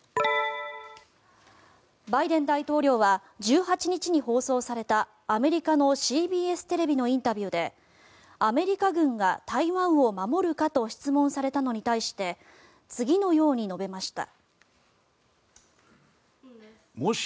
バイデン大統領は１８日に放送されたアメリカのＣＢＳテレビのインタビューでアメリカ軍が台湾を守るかと質問されたのに対して次のように述べました。